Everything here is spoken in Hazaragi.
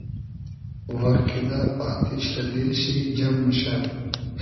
وار کیدۂ آتیش رۂ دیل شی جئم موشۂ